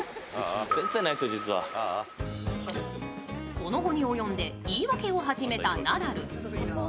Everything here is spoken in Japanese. この期に及んで言い訳を始めたナダル。